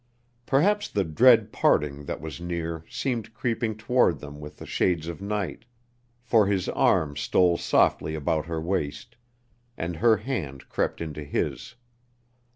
Perhaps the dread parting that was near seemed creeping toward them with the shades of night, for his arm stole softly about her waist, and her hand crept into his.